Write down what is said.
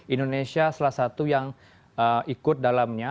indonesia salah satu yang ikut dalamnya